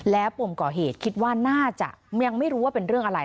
แล้วปมก่อเหตุคิดว่าน่าจะยังไม่รู้ว่าเป็นเรื่องอะไร